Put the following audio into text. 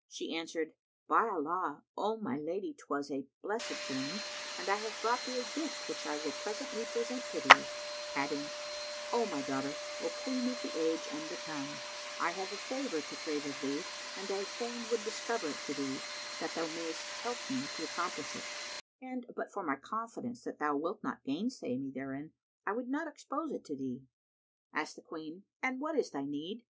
She answered, "By Allah, O my lady 'twas a blessed journey and I have brought thee a gift which I will presently present to thee," adding, "O my daughter, O Queen of the age and the time, I have a favour to crave of thee and I fain would discover it to thee, that thou mayst help me to accomplish it, and but for my confidence that thou wilt not gainsay me therein, I would not expose it to thee." Asked the Queen, "And what is thy need?